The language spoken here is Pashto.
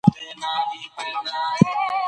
مهم ټکی د پروسې پیژندل دي.